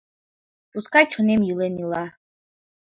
Пускай чонем йӱлен ила.